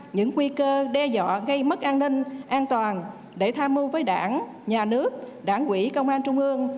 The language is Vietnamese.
những nguy cơ đe dọa gây mất an ninh an toàn để tham mưu với đảng nhà nước đảng quỹ công an trung ương